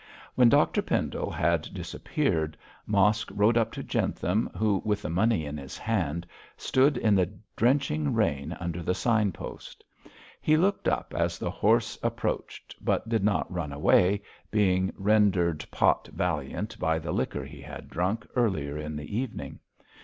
When Dr Pendle had disappeared, Mosk rode up to Jentham, who, with the money in his hand, stood in the drenching rain under the sign post. He looked up as the horse approached, but did not run away, being rendered pot valiant by the liquor he had drunk earlier in the evening.